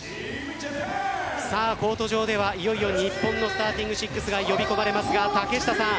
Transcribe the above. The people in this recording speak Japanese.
コート上ではいよいよ日本のスターティング６が呼び込まれますが竹下さん